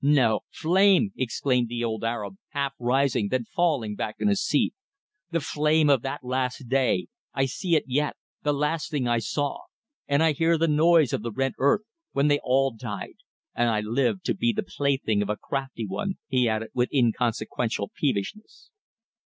"No! Flame!" exclaimed the old Arab, half rising, then falling back in his seat. "The flame of that last day! I see it yet the last thing I saw! And I hear the noise of the rent earth when they all died. And I live to be the plaything of a crafty one," he added, with inconsequential peevishness.